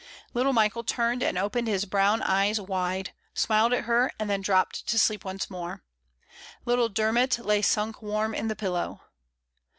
Little Michael turned and opened his brown eyes wide, smiled at her, and then dropped to sleep once more; little Dermot lay sunk warm in the pillow.